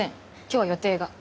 今日は予定が。